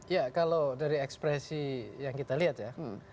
ya kalau dari ekspresi yang kita lihat ya